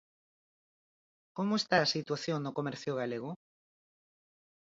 Como esta a situación no comercio galego?